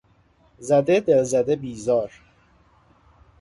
زده، دلزده، بیزار